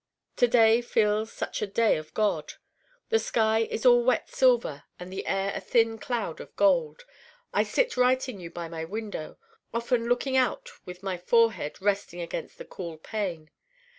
To day feels such a day of God. The sky is all wet silver and the air a thin cloud of gold. I sit writing you by my window, often looking out with my forehead resting against the cool pane.